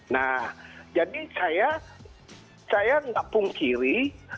nah jadi saya nggak pungkiri